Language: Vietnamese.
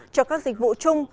cho các dịch vụ chung